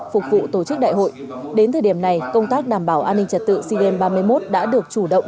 phục vụ tổ chức đại hội đến thời điểm này công tác đảm bảo an ninh trật tự sea games ba mươi một đã được chủ động